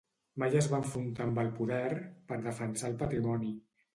Mai es va enfrontar amb el poder per defensar el patrimoni